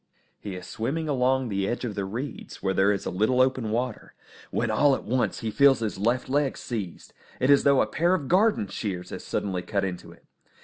He is swimming along the edge of the reeds where there is a little open water, when all at once he feels his left leg seized. It is as though a pair of garden shears had suddenly cut into it!